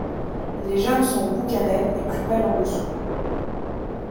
Les jeunes sont roux-cannelle et plus pâle en dessous.